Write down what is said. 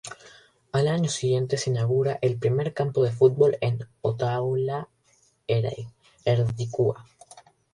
Al año siguiente se inaugura el primer campo de fútbol en Otaola-Erdikua.